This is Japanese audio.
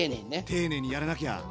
丁寧にやらなきゃ。